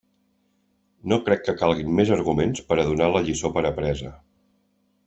No crec que calguin més arguments per a donar la lliçó per apresa.